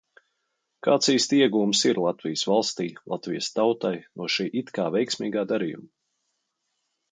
Kāds īsti ieguvums ir Latvijas valstij, Latvijas tautai no šī it kā veiksmīgā darījuma?